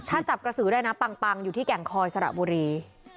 ถ้าจับกระสือได้นะปังอยู่ที่แก่งคอยสระบุรี